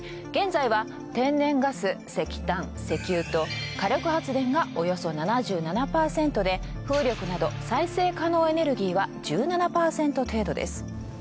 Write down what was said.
現在は天然ガス石炭石油と火力発電がおよそ７７％で風力など再生可能エネルギーは１７％程度です。